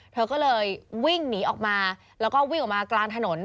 เธอก็เลยวิ่งหนีออกมาแล้วก็วิ่งออกมากลางถนน